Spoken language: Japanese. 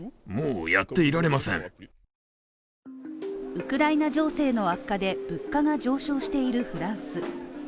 ウクライナ情勢の悪化で物価が上昇しているフランス。